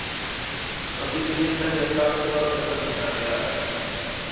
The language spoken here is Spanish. constituyentes de facto de nuestras realidades